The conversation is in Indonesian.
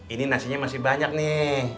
ini nasinya masih banyak nih